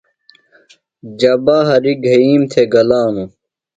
جبہ ہریۡ گھئیم تھےۡ گلانوۡ۔